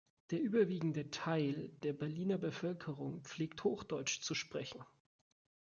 Der überwiegende Teil der Berliner Bevölkerung pflegt Hochdeutsch zu sprechen.